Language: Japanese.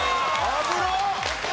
危なっ！